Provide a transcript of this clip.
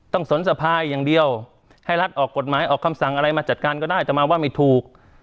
สนสภาอย่างเดียวให้รัฐออกกฎหมายออกคำสั่งอะไรมาจัดการก็ได้แต่มาว่าไม่ถูก